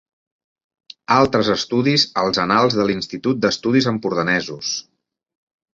Altres estudis als Annals de l'Institut d'Estudis Empordanesos.